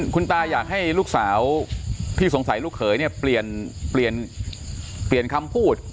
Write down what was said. คุณตาอยากให้ลูกสาวที่สงสัยลูกเขยเปลี่ยนคำพูด